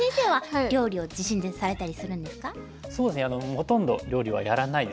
ほとんど料理はやらないですね。